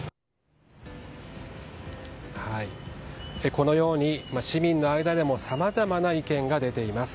このように市民の間でもさまざまな意見が出ています。